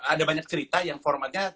ada banyak cerita yang formatnya